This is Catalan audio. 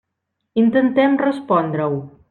Intentem respondre-ho.